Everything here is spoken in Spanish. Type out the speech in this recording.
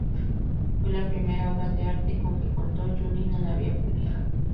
Fue la primera obra de arte con que contó Junín en la vía pública.